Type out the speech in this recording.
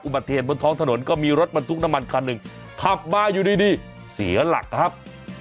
บัติเหตุบนท้องถนนก็มีรถบรรทุกน้ำมันคันหนึ่งขับมาอยู่ดีเสียหลักครับ